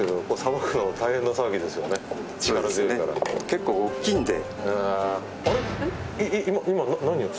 結構大きいんで。